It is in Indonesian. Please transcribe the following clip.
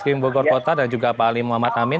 pak alim bogor kota dan juga pak alim muhammad amin